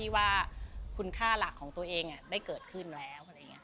ว่าคุณค่าหลักของตัวเองได้เกิดขึ้นแล้ว